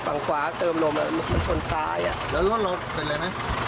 ฝั่งขวาเติมลมมันชนตายอ่ะแล้วรถเราเป็นอะไรไหม